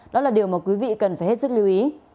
đó là điều mà quý vị cần phải hết sức lưu ý